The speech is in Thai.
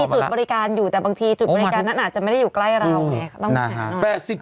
ก็จะมีจุดบริการอยู่แต่บางทีจุดบริการนั้นน่ะอาจจะไม่ได้อยู่ใกล้เราไงค่ะต้องขายหน่อย